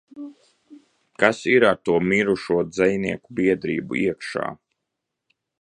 "Kas ir ar to "Mirušo dzejnieku biedrību" iekšā?"